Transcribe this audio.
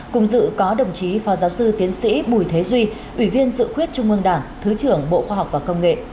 cùng dự có đồng chí phó giáo sư tiến sĩ bùi thế duy ủy viên dự khuyết trung ương đảng thứ trưởng bộ khoa học và công nghệ